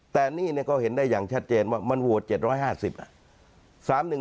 แต่นี่ก็เห็นได้อย่างชัดเจนว่ามันโหวต๗๕๐อ่ะ